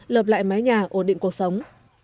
lợp lại mái nhà ổn định cuộc sống